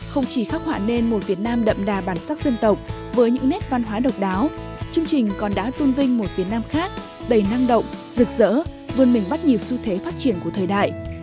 không chỉ khắc họa nên một việt nam đậm đà bản sắc dân tộc với những nét văn hóa độc đáo chương trình còn đã tôn vinh một việt nam khác đầy năng động rực rỡ vươn mình bắt nhịp xu thế phát triển của thời đại